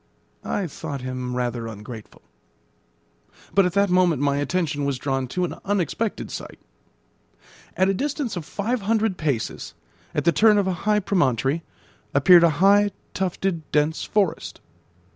I thought him rather ungrateful. But at that moment my attention was drawn to an unexpected sight. At a distance of five hundred paces, at the turn of a high promontory, appeared a high, tufted, dense forest.